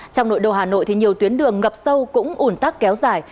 trong nội đô hà nội thì nhiều tuyến đường ngập sâu cũng ủn tắc kéo dài